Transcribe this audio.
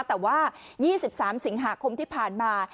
แต่ว่า๒๓สิงหาคมที่ผ่านมา